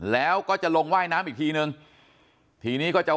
แล้วก็จะลงว่ายน้ำอีกทีนึงทีนี้ก็จะ